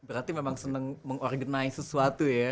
berarti memang senang mengorganize sesuatu ya